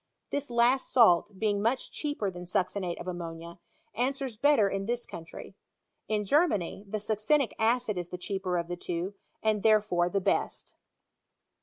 This last salt, being much cheaper than succinate of ammonia, answers better in this country* In Germany, the succinic acid is the cheaper of the two, ana therefore the best.